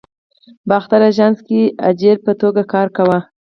په باختر آژانس کې اجیر په توګه کار کاوه.